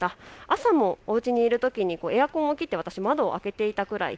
朝もおうちにいるときにエアコンを切って窓を開けていたくらい。